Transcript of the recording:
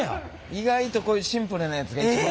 意外とこういうシンプルなやつが一番。